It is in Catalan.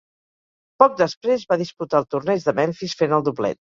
Poc després va disputar el torneig de Memphis fent el doblet.